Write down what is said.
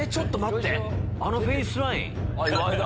あのフェースライン。